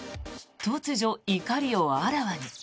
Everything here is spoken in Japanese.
突如、怒りをあらわに。